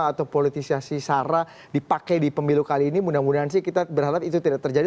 atau politisasi sara dipakai di pemilu kali ini mudah mudahan sih kita berharap itu tidak terjadi